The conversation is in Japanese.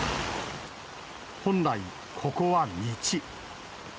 本来、ここは道。